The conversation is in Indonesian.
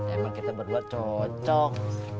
emang kita berdua cocok